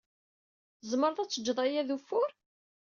Tzemred ad tejjed aya d ufur?